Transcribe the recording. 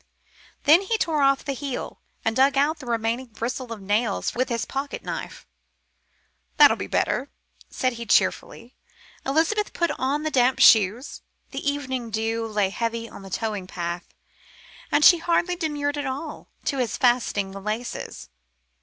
Then he tore off the heels and dug out the remaining bristle of nails with his pocket knife. "That'll be better," said he cheerfully. Elizabeth put on the damp shoes. The evening dew lay heavy on the towing path, and she hardly demurred at all to his fastening the laces.